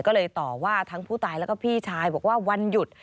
ก็เลยต่อว่าทั้งผู้ตายแล้วก็พี่ชายบอกว่าวันหยุด